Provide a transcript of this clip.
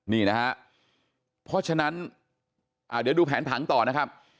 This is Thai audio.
นี่นะฮะเพราะฉะนั้นเดี๋ยวดูแผนผังต่อนะครับ